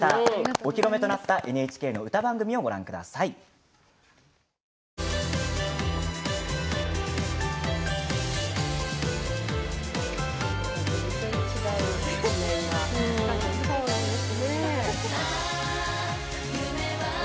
お披露目となった ＮＨＫ の歌番組をご覧ください。ありがとうございます。